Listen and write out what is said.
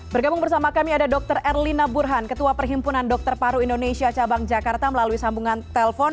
bergabung bersama kami ada dr erlina burhan ketua perhimpunan dokter paru indonesia cabang jakarta melalui sambungan telpon